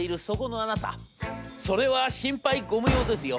それは心配ご無用ですよ！